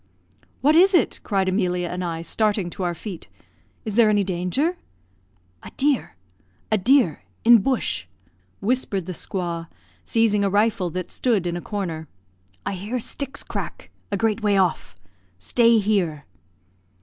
"What is it?" cried Emilia and I, starting to our feet. "Is there any danger?" "A deer a deer in bush!" whispered the squaw, seizing a rifle that stood in a corner. "I hear sticks crack a great way off. Stay here!"